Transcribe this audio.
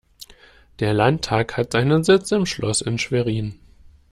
Der Landtag hat seinen Sitz im Schloß in Schwerin.